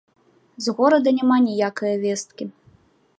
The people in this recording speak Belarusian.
З горада няма ніякае весткі.